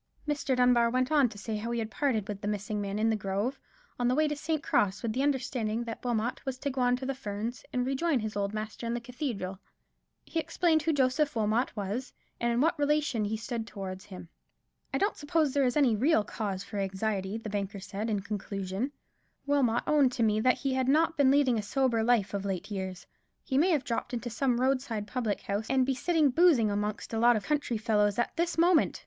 Mr. Dunbar went on to say how he had parted with the missing man in the grove, on the way to St. Cross, with the understanding that Wilmot was to go on to the Ferns, and rejoin his old master in the cathedral. He explained who Joseph Wilmot was, and in what relation he stood towards him. "I don't suppose there is any real cause for anxiety," the banker said, in conclusion; "Wilmot owned to me that he had not been leading a sober life of late years. He may have dropped into some roadside public house and be sitting boozing amongst a lot of country fellows at this moment.